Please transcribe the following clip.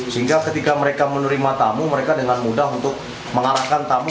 sehingga ketika mereka menerima tamu mereka dengan mudah untuk mengarahkan tamu